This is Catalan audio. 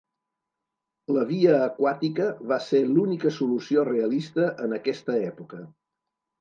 La via aquàtica va ser l'única solució realista en aquesta època.